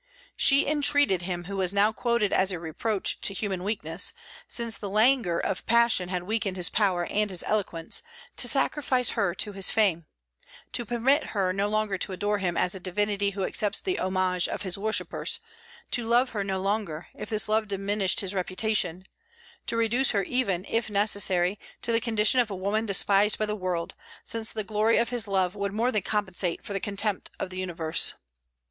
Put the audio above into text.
She entreated him who was now quoted as a reproach to human weakness, since the languor of passion had weakened his power and his eloquence, to sacrifice her to his fame; "to permit her no longer to adore him as a divinity who accepts the homage of his worshippers; to love her no longer, if this love diminished his reputation; to reduce her even, if necessary, to the condition of a woman despised by the world, since the glory of his love would more than compensate for the contempt of the universe."